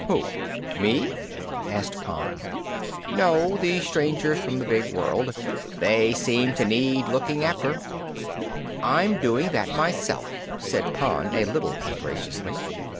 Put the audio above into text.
"Who, me?" asked Pon. "No, the strangers from the big world. It seems they need looking after." "I'm doing that myself," said Pon, a little ungraciously.